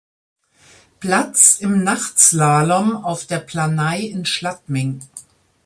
Platz im Nachtslalom auf der Planai in Schladming.